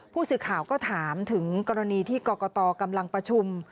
ผู้สื่อข่าวก็ถามถึงกรณีที่กรกตกำลังประชุม